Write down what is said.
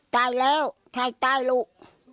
ตายแล้วใครตายลูก